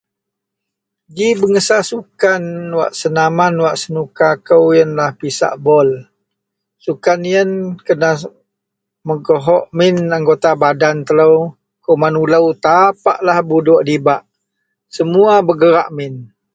Ji bangsa sukan wak senaman wak senuka kou iyenlah pisak bol sukan iyen kena megohok min anggota badan telo kuman ulo tapak lah buduok dibak semua bergerak min.